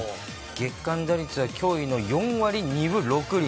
月間打率は驚異の４割２分６厘。